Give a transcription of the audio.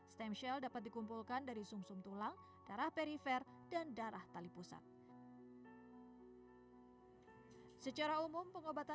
stem cell dapat dikumpulkan dari sum sum tulang darah perifer dan darah tali pusat